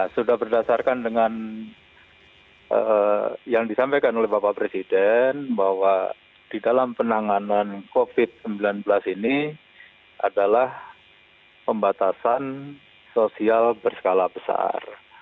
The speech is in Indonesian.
sudah berdasarkan dengan yang disampaikan oleh bapak presiden bahwa di dalam penanganan covid sembilan belas ini adalah pembatasan sosial berskala besar